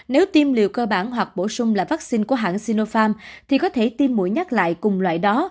nếu tiêm liều cơ bản hoặc bổ sung là vaccine của hãng sinopharm thì có thể tiêm mũi nhắc lại cùng loại đó